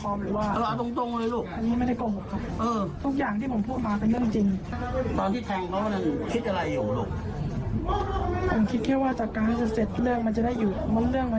แฟนผมเป็นคนวางแผนให้ผมจัดการแม่ของเขาและพี่ของเขา